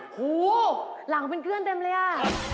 หูหลังเป็นเคลื่อนเป็นเหรอ